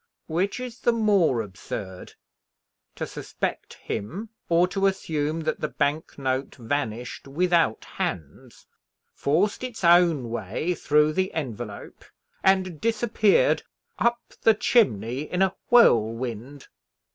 "Which is the more absurd to suspect him, or to assume that the bank note vanished without hands? forced its own way through the envelope, and disappeared up the chimney in a whirlwind?"